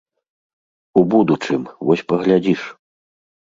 У будучым, вось паглядзіш.